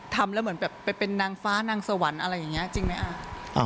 ทำแล้วเหมือนแบบไปเป็นนางฟ้านางสวรรค์อะไรอย่างนี้จริงไหมอ่ะ